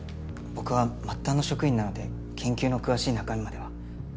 僕は末端の職員なので研究の詳しい中身までは。